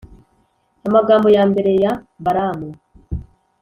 Amagambo ya mbere ya Balamu